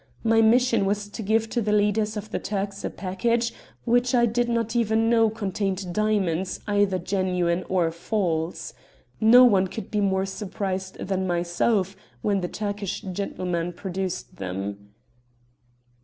My mission was to give to the leaders of the Turks a package which I did not even know contained diamonds, either genuine or false. No one could be more surprised than myself when the Turkish gentleman produced them."